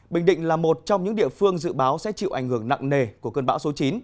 bình định là một trong những địa phương dự báo sẽ chịu ảnh hưởng nặng nề của cơn bão số chín